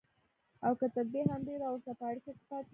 او که تر دې هم ډېر ورسره په اړيکه کې پاتې شي.